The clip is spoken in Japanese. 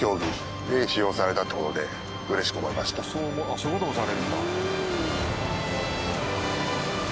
そういう事もされるんだ。